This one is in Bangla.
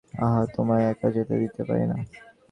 আহ, তোমায় একা যেতে দিতে পারি না।